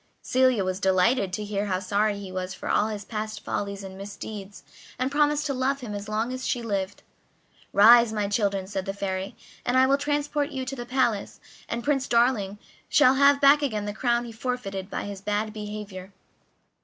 Celia was delighted to hear how sorry he was for all his past follies and misdeeds, and promised to love him as long as she lived. "Rise, my children," said the Fairy, "and I will transport you to the palace, and Prince Darling shall have back again the crown he forfeited by his bad behavior."